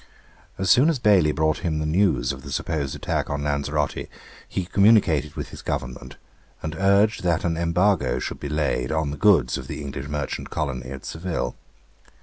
As soon as Bailey brought him the news of the supposed attack on Lanzarote, he communicated with his Government, and urged that an embargo should be laid on the goods of the English merchant colony at Seville.